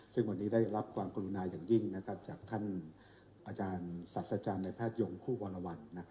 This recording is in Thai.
ซึ่งวันนี้ได้รับความกรุณาอย่างยิ่งจากท่านอาจารย์ศาสตราจารย์ในแพทยงคู่วรวรรณ